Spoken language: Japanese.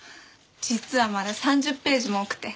実はまだ３０ページも多くて。